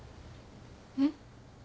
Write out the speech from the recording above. えっ？